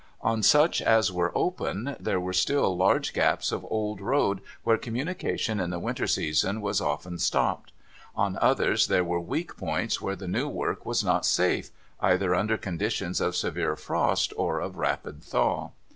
On such as were open, there were still large gaps of old road where communication in the winter season was often stopped ; on others, there were weak points where the new work was not safe, either under conditions of severe frost, or of rapid thaw.